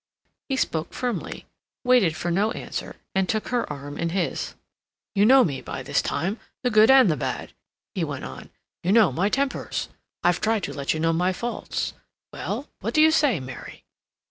He spoke firmly, waited for no answer, and took her arm in his. "You know me by this time, the good and the bad," he went on. "You know my tempers. I've tried to let you know my faults. Well, what do you say, Mary?"